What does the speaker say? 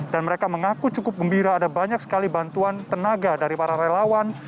dan mereka mengaku cukup gembira ada banyak sekali bantuan tenaga dari para relawan